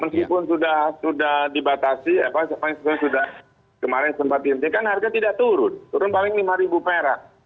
meskipun sudah dibatasi apa yang saya sudah kemarin sempat intip kan harga tidak turun turun paling lima perak